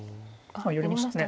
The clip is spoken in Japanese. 寄りましたね。